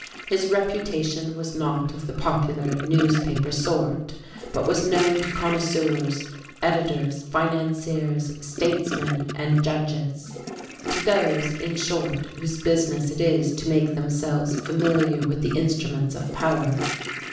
His reputation was not of the popular, newspaper sort, but was known to connoisseurs, editors, financiers, statesmen and judges, to those, in short, whose business it is to make themselves familiar with the instruments of power.